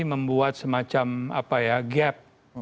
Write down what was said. membuat semacam gap